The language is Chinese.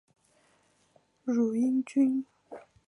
汝阴郡。